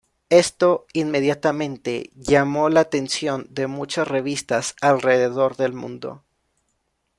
Esto inmediatamente llamó la atención de muchas revistas alrededor del mundo.